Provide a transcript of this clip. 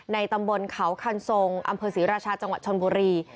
ตำบลเขาคันทรงอำเภอศรีราชาจังหวัดชนบุรี